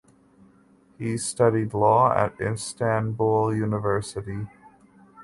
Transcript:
He studied law at Istanbul University.